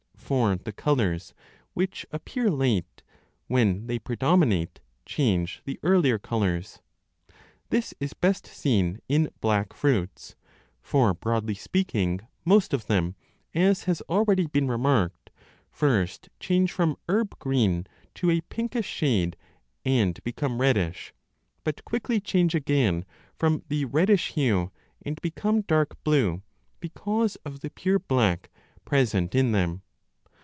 For the colours which appear late, when they predominate, change the earlier colours. This is best seen in black fruits ; 796 a for, broadly speaking, most of them, as has already been remarked, first change from herb green to a pinkish shade and become reddish, but quickly change again from the reddish hue and become dark blue because of the pure black present in them.